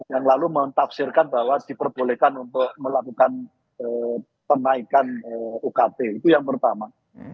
yang lalu mentafsirkan bahwa diperbolehkan untuk melakukan penaikan ukt itu yang pertama